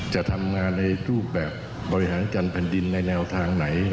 จะทำงานในรูปแบบบริหารการแผ่นดินในแนวทางไหน